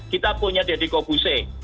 kita punya deddy kobuse